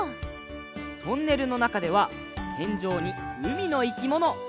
トンネルのなかではてんじょうにうみのいきもの。